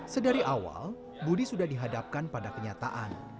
sedari awal budi sudah dihadapkan pada kenyataan